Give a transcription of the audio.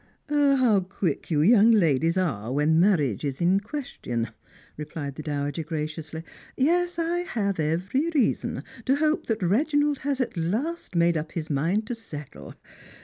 " How quick you young ladies are when marriage is in ques tion !" replied the dowager graciously. " Yes, I have every reason to hope that Reginald has at last made up his mind to settle.